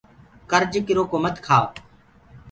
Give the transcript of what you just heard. ڪرج ڪرو ڪو مت کآئو